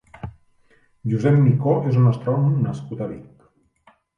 Josep Micó és un astrònom nascut a Vic.